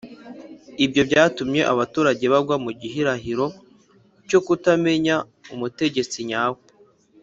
ibyo byatumye abaturage bagwa mu gihirahiro cyo kutamenya umutegetsi nyawe